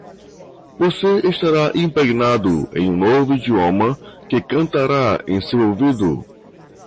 Você estará impregnado em um novo idioma que cantará em seu ouvido.